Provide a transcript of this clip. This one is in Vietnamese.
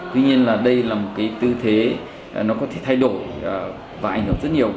tuy nhiên đây là một tư thế có thể thay đổi và ảnh hưởng rất nhiều